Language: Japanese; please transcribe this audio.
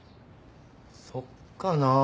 そっかな？